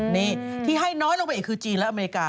นี่ที่ให้น้อยลงไปอีกคือจีนและอเมริกา